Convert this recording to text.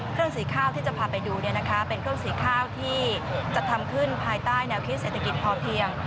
เครื่องสีข้าวที่จะพาไปดูเป็นเครื่องสีข้าวที่จัดทำขึ้นภายใต้แนวคิดเศรษฐกิจพอเพียง